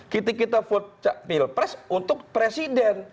ketika kita vote pelek untuk presiden